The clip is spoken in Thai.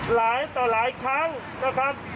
หลายต่อหลายครั้งนะครับ